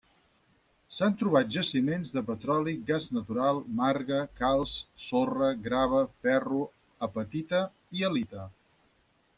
S'han trobat jaciments de petroli, gas natural, marga, calç, sorra, grava, ferro, apatita i halita.